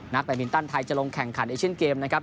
แบตมินตันไทยจะลงแข่งขันเอเชียนเกมนะครับ